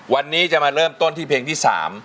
วันนี้จะมาเริ่มต้นที่เพลงที่๓